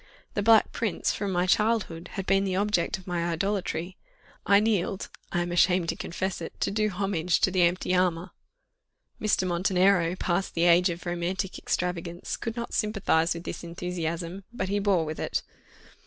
The Black Prince, from my childhood, had been the object of my idolatry. I kneeled I am ashamed to confess it to do homage to the empty armour. Mr. Montenero, past the age of romantic extravagance, could not sympathize with this enthusiasm, but he bore with it.